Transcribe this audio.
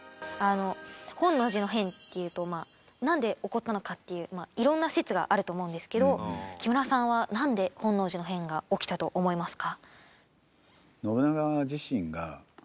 本能寺の変っていうとなんで起こったのかっていういろんな説があると思うんですけど木村さんはなんで本能寺の変が起きたと思いますか？